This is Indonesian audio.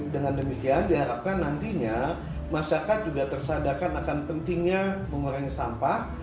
dengan demikian diharapkan nantinya masyarakat juga tersadakan akan pentingnya mengurangi sampah